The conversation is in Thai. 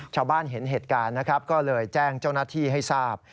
ชาวบ้านเห็นเหตุการณ์นะครับก็เลยแจ้งเจ้าหน้าที่ให้ทราบ